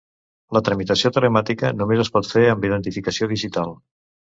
La tramitació telemàtica només es pot fer amb identificació digital.